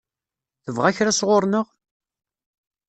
Tebɣa kra sɣur-neɣ?